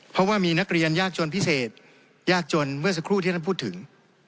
เพราะว่ามีนักเรียนยากจนพิเศษยากจนเมื่อสักครู่ที่ท่านพูดถึง